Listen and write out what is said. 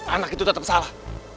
anak itu tetep salah